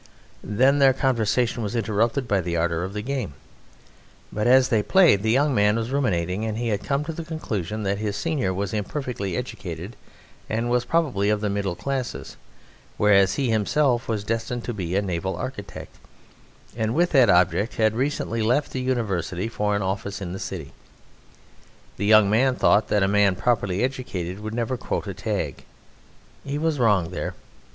'" Then their conversation was interrupted by the ardour of the game; but as they played the young man was ruminating, and he had come to the conclusion that his senior was imperfectly educated and was probably of the middle classes, whereas he himself was destined to be a naval architect, and with that object had recently left the university for an office in the city. The young man thought that a man properly educated would never quote a tag: he was wrong there.